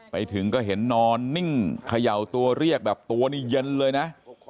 ไปถึงก็เห็นนอนนิ่งเขย่าตัวเรียกแบบตัวนี้เย็นเลยนะ